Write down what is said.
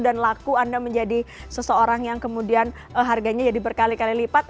dan laku anda menjadi seseorang yang kemudian harganya jadi berkali kali lipat